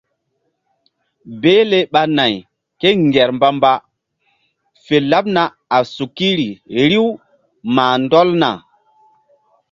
Behle ɓa nay ké ŋger mbamba fe laɓna a sukiri riw mah ndɔlna.